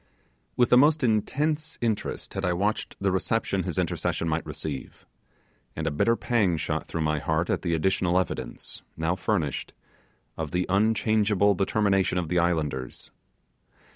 With the most intense interest had I watched the reception his intercession might receive; and a bitter pang shot through my heart at the additional evidence, now furnished, of the unchangeable determination of the islanders.